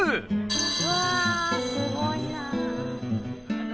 うわすごいな。